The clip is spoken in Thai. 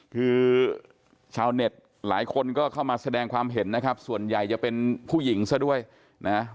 คือชาวเน็ตหลายคนก็เข้ามาแสดงความเห็นนะครับส่วนใหญ่จะเป็นผู้หญิงซะด้วยนะ